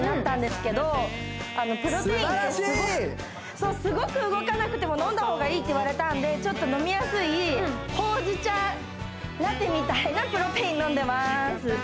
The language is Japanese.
プロテインってすごく動かなくても飲んだ方がいいって言われたんでちょっと飲みやすいほうじ茶ラテみたいなプロテイン飲んでます